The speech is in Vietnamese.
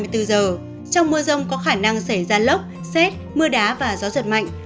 trong mưa rông có khả năng xảy ra lốc xét mưa đá và gió giật mạnh